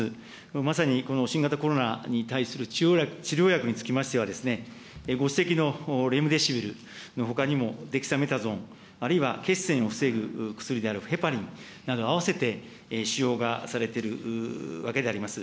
まさにこの新型コロナに対する治療薬につきましては、ご指摘のレムデシビルのほかにもデキサメタゾン、あるいは血栓を防ぐ薬であるヘパリンなど合わせて使用がされているわけであります。